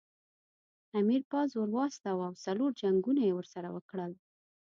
امیر پوځ ور واستاوه او څلور جنګونه یې ورسره وکړل.